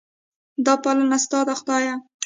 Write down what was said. دا پالنه ستا ده خدایه.